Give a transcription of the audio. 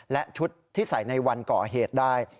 และชุดที่ใส่ในวันก่อเหตุได้